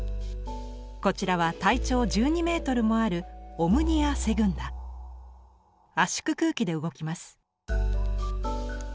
こちらは体長１２ｍもある圧縮空気で動きます。